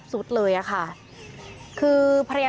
พวกมันต้องกินกันพี่